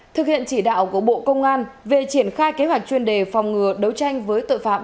thực hiện chỉ đạo của bộ công an về triển khai kế hoạch chuyên đề phòng ngừa đấu tranh với tội phạm